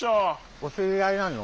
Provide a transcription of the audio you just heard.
お知り合いなの？